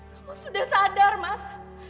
kamu sudah sadar mas